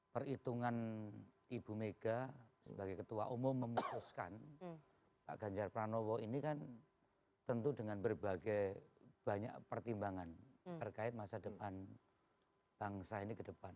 perhitungan ibu mega sebagai ketua umum memutuskan pak ganjar pranowo ini kan tentu dengan berbagai banyak pertimbangan terkait masa depan bangsa ini ke depan